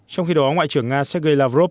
trong khi đó ngoại trưởng nga sergei lavrov